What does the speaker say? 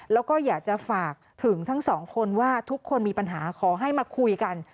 แล้วก็อยากจะฝากถึงทั้งสองคนว่าทุกคนมีปัญหาขอให้มาคุยกัน